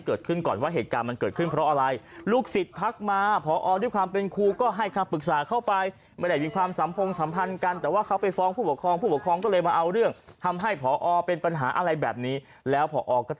เกิดขึ้นก่อนว่าเหตุการณ์มันเกิดขึ้นเพราะอะไรลูกศิษย์ทักมาพอด้วยความเป็นครูก็ให้คำปรึกษาเข้าไปไม่ได้มีความสัมพงสัมพันธ์กันแต่ว่าเขาไปฟ้องผู้ปกครองผู้ปกครองก็เลยมาเอาเรื่องทำให้พอเป็นปัญหาอะไรแบบนี้แล้วพอก็จะ